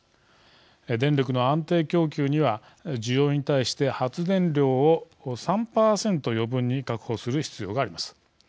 電力の安定供給には需要に対して発電量を３％余分に確保する必要があります。